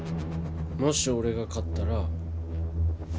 もし俺が勝ったら